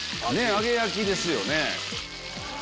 揚げ焼きですよね。